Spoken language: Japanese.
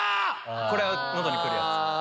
これは喉にくるやつ。